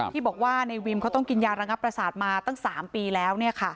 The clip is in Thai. ที่บอกว่าในวิมเขาต้องกินยาระงับประสาทมาตั้ง๓ปีแล้ว